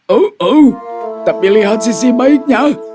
oh oh tapi lihat sisi baiknya